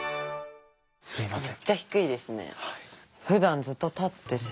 すいません。